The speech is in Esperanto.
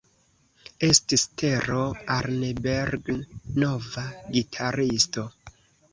Estis Tero Arnbergn nova gitaristo.